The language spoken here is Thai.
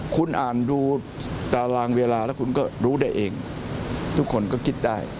คุณอ่านดูตารางเวลาแล้วคุณก็รู้ได้เองทุกคนก็คิดได้